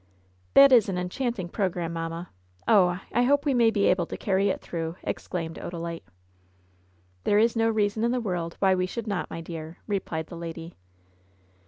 *' "That is an enchanting program, mamma ! Oh ! I hope we may be able to carry it through !" exclaimed Odalite. "There is no reason in the world why we should not, my dear," replied the lady.